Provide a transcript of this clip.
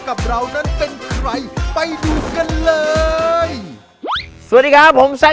กับเรานั้นเป็นใครไปดูกันเลยสวัสดีครับผมแซค